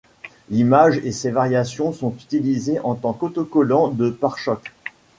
L'image et ses variations sont utilisées en tant qu'autocollants de pare-chocs.